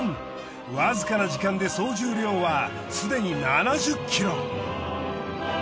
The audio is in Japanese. わずかな時間で総重量はすでに７０ｋｇ。